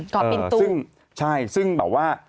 ก่อเป็นตู้ซึ่งใช่ซึ่งบอกว่า